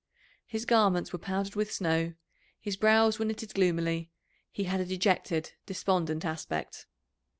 His garments were powdered with snow, his brows were knitted gloomily, he had a dejected, despondent aspect.